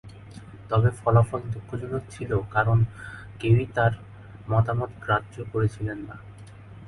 তবে ফলাফল দুঃখজনক ছিল কারন কেউই তাঁর মতামত গ্রাহ্য করছিলেন না।